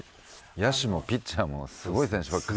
野手もピッチャーもすごい選手ばっかり。